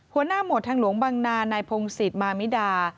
หมวดทางหลวงบังนานายพงศิษย์มามิดา